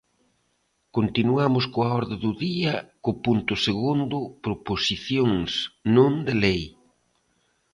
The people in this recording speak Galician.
Continuamos coa orde do día, co punto segundo, proposicións non de lei.